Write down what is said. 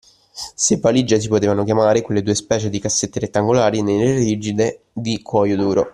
Se valige si potevano chiamare quelle due specie di cassette rettangolari, nere e rigide, di cuoio duro.